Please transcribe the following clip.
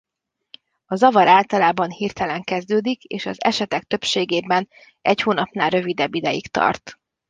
A zavar általában hirtelen kezdődik és az esetek többségében egy hónapnál rövidebb ideig tart.